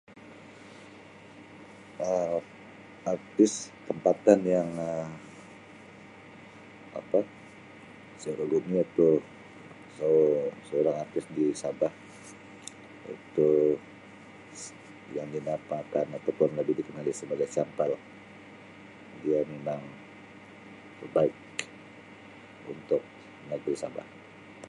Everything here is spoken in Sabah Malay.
Um Artis tempatan yang Um apa saya [unintelligible] se-seorang artis di Sabah itu yang dinamakan ataupun lebih dikenali sebagai si ampal, dia memang terbaik untuk negeri Sabah.